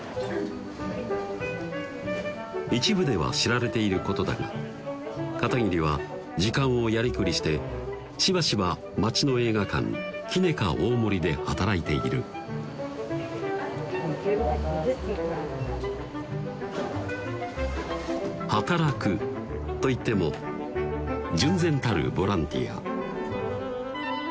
一部では知られていることだが片桐は時間をやりくりしてしばしば町の映画館キネカ大森で働いている働くといっても純然たるボランティア